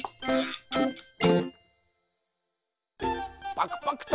パクパクと。